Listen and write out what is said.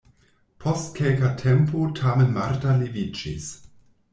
Post kelka tempo tamen Marta leviĝis.